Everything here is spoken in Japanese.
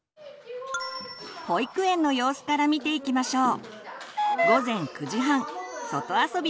保育園の様子から見ていきましょう。